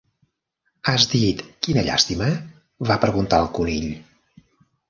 "Has dit 'Quina llàstima'?", va preguntar el Conill.